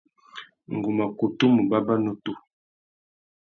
Ngu mà kutu mù bàbà nutu.